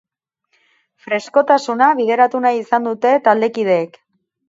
Freskotasuna bideratu nahi izan dute taldekideek.